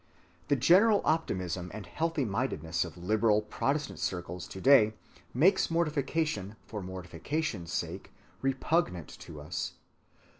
The general optimism and healthy‐mindedness of liberal Protestant circles to‐day makes mortification for mortification's sake repugnant to us.